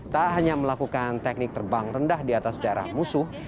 tak hanya melakukan teknik terbang rendah di atas darah musuh